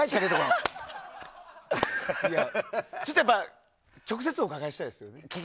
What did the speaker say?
いや、ちょっと直接お伺いしたいです。